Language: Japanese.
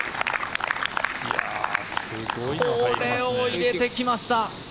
これを入れてきました。